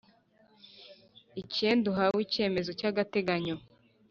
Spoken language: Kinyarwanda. Icyenda uhawe icyemezo cy agateganyo